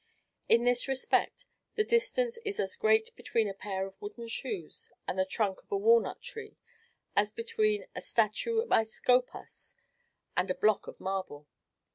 In this respect, the distance is as great between a pair of wooden shoes and the trunk of a walnut tree, as between a statue by Scopas and a block of marble.